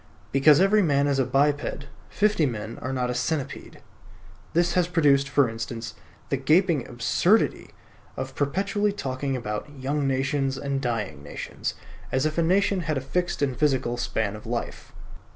Because every man is a biped, fifty men are not a centipede. This has produced, for instance, the gaping absurdity of perpetually talking about "young nations" and "dying nations," as if a nation had a fixed and physical span of life.